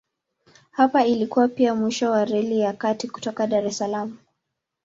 Hapa ilikuwa pia mwisho wa Reli ya Kati kutoka Dar es Salaam.